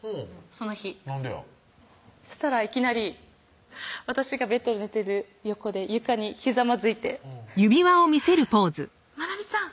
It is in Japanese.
その日そしたらいきなり私がベッドで寝てる横で床にひざまずいて「愛海さん！